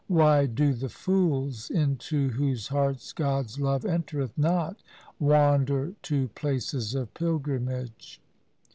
Why do the fools into whose hearts God's love entereth not, wander to places of pilgrimage